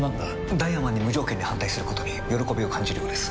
ダイワマンに無条件に反対することに喜びを感じるようです。